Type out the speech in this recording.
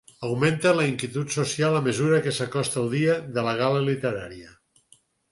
Augmenta la inquietud social a mesura que s'acosta el dia de la gala literària.